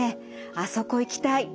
あそこ行きたい」。